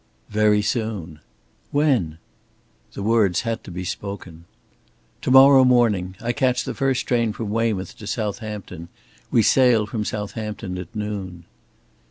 "Very soon." "When?" The words had to be spoken. "To morrow morning. I catch the first train from Weymouth to Southampton. We sail from Southampton at noon."